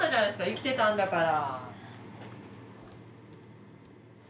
生きてたんだから。